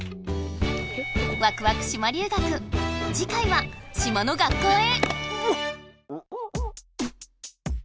「わくわく島留学」じかいは島の学校へ！